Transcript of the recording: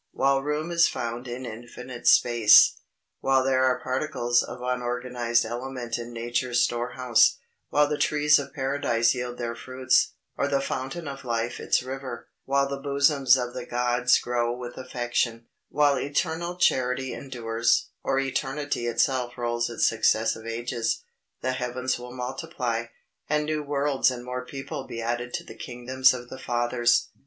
While room is found in infinite space: While there are particles of unorganized element in Nature's storehouse: While the trees of Paradise yield their fruits, or the Fountain of Life its river: While the bosoms of the Gods glow with affection: While eternal charity endures, or eternity itself rolls its successive ages, the heavens will multiply, and new worlds and more people be added to the kingdoms of the Fathers.